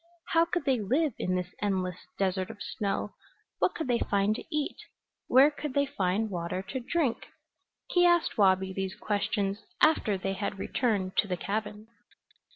How could they live in this endless desert of snow? What could they find to eat? Where could they find water to drink? He asked Wabi these questions after they had returned to the cabin.